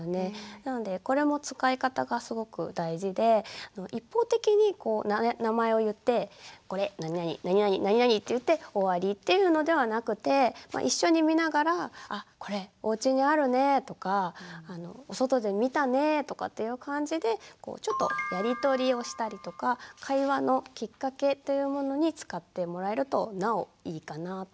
なのでこれも使い方がすごく大事で一方的に名前を言ってこれなになになになになになにって言って終わりっていうのではなくて一緒に見ながらとかっていう感じでちょっとやりとりをしたりとか会話のきっかけというものに使ってもらえるとなおいいかなぁというふうに思います。